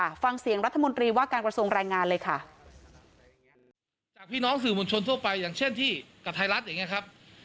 ก็จะวางเสียงรัฐมนตรีว่าการกระทรวงรายงานเลยค่ะ